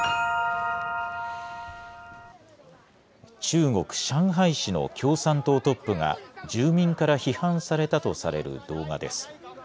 中国・上海市の共産党トップが、住民から批判されたとされる動画です。